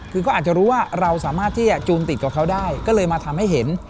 คือเขาอาจจะรู้ว่าเราสามารถที่จะจูนติดกับเขาได้ก็เลยมาทำให้เห็น